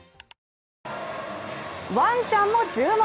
ワンちゃんも注目！